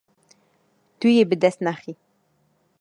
Tu yê bi dest nexî.